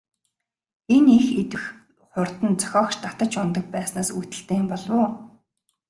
Энэ их идэвх хурд нь зохиогч татаж унадаг байснаас үүдэлтэй юм болов уу?